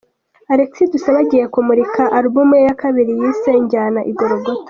Alexis Dusabe agiye kumurika alubumu ye ya kabiri yise Njyana i Gorogota.